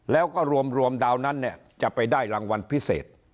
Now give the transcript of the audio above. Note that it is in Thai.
แล้วก็รวมดาวนั้นเนี่ยจะไปได้รางวัลพิเศษ